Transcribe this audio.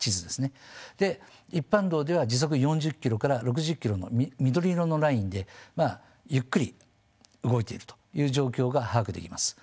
で一般道では時速４０ｋｍから６０ｋｍの緑色のラインでまあゆっくり動いているという状況が把握できます。